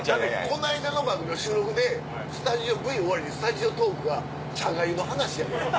この間の番組の収録でスタジオＶＴＲ終わりスタジオトークが茶粥の話やねん。